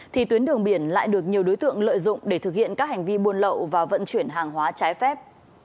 thì tuyến đường biển lại được nhiều đối tượng lợi dụng để thực hiện các hành vi buôn lậu và vận chuyển hàng hóa trái phép